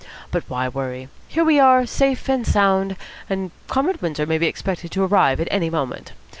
But why worry? Here we are, safe and sound, and Comrade Windsor may be expected to arrive at any moment.